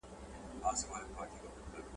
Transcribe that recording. تحقیقاتي مرکه کوله